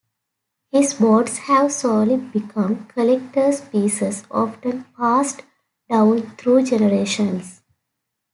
His boards have slowly become collector's pieces often passed down through generations.